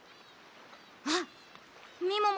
あっみももだ。